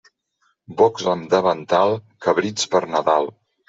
Bocs amb davantal, cabrits per Nadal.